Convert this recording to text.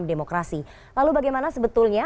demokrasi lalu bagaimana sebetulnya